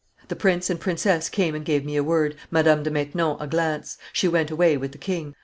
The prince and princess came and gave me a word, Madame de Maintenon a glance; she went away with the king.